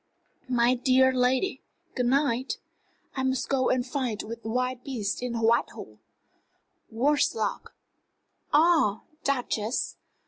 "My dear lady, good night. I must go and fight with wild beasts in Whitehall worse luck! Ah, Duchess!